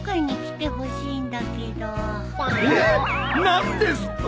何ですと！